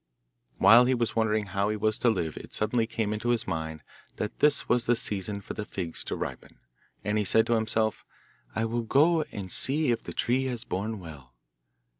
While he was wondering how he was to live it suddenly came into his mind that this was the season for the figs to ripen, and he said to himself, 'I will go and see if the tree has borne well.